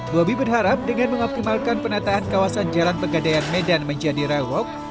bobi berharap dengan mengoptimalkan penataan kawasan jalan pegadaian medan menjadi railwalk